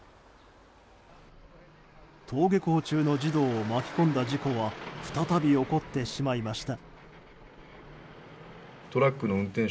登下校中の児童を巻き込んだ事故は再び起こってしまいました。